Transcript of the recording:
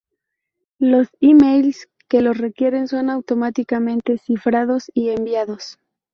Los emails que lo requieren son automáticamente cifrados y enviados.